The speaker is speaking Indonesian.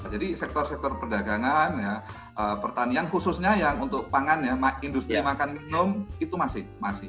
jadi sektor sektor perdagangan pertanian khususnya yang untuk pangan ya industri makan minum itu masih